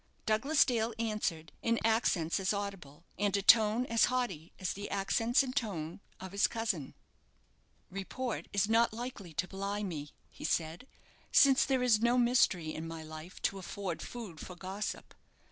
Douglas Dale answered, in accents as audible, and a tone as haughty as the accents and tone of his cousin. "Report is not likely to belie me," he said, "since there is no mystery in my life to afford food for gossip.